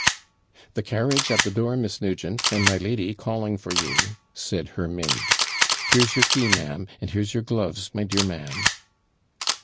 'The carriage at the door, Miss Nugent, and my lady calling for you,' said her maid. 'Here's your key, ma'am, and here's your gloves, my dear ma'am.'